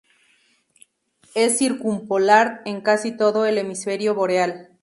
Es circumpolar en casi todo el hemisferio boreal.